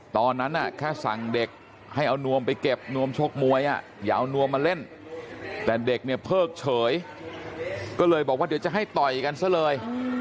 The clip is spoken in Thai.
ตอนนั้นน่ะเรียกฆาตที่สั่งเด็ก